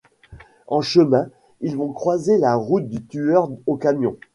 En chemin, ils vont croiser la route du tueur au camion.